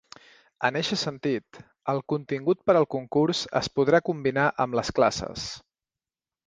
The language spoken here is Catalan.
En eixe sentit, el contingut per al concurs es podrà combinar amb les classes.